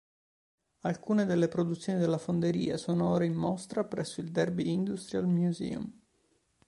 Alcune delle produzioni della fonderia sono ora in mostra presso il Derby Industrial Museum.